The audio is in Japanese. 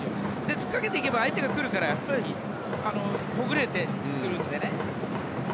つっかけていけば相手が来るからほぐれてくるので。